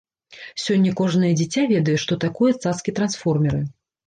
Сёння кожнае дзіця ведае, што такое цацкі-трансформеры.